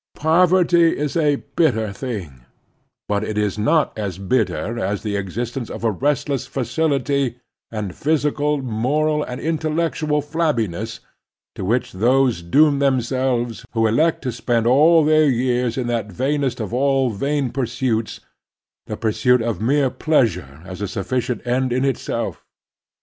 Poverty is a bitter thing; but it is not as bitter as the existence of restless vactiity and physical, moral, and intellectual flab biness, to which those doom themselves who elect to spend all their years in that vainest of all vain pxxrstdts — ^the pursuit of mere pleasure as a sufficient end in itself.